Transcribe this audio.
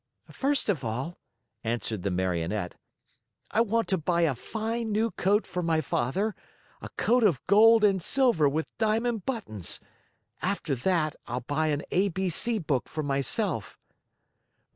"First of all," answered the Marionette, "I want to buy a fine new coat for my father, a coat of gold and silver with diamond buttons; after that, I'll buy an A B C book for myself."